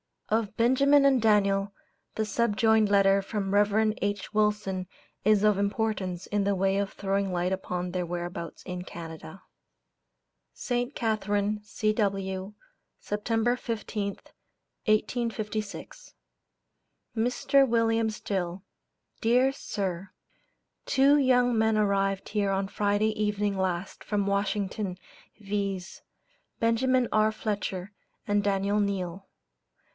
Of Benjamin and Daniel, the subjoined letter from Rev. H. Wilson is of importance in the way of throwing light upon their whereabouts in Canada: ST. CATHARINE, C.W., Sept. 15th, 1856. MR. WILLIAM STILL: Dear Sir Two young men arrived here on Friday evening last from Washington, viz: Benjamin R. Fletcher and Daniel Neall.